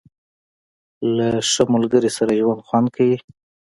• له ښه ملګري سره ژوند خوند کوي.